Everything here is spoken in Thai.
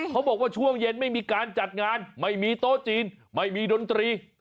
เขาบอกว่าช่วงเย็นไม่มีการจัดงานไม่มีโต๊ะจีนไม่มีดนตรี